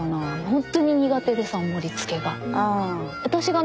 ほんとに苦手でさ盛りつけが。